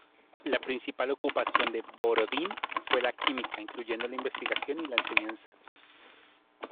La principal ocupación de Borodín fue la química, incluyendo la investigación y la enseñanza.